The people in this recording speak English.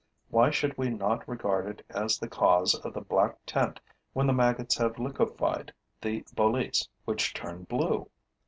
Why should we not regard it as the cause of the black tint when the maggots have liquefied the boletes which turn blue?